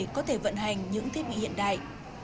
các trạm y tế có thể vận hành những thiết bị hiện đại